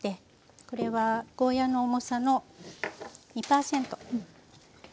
これはゴーヤーの重さの２％。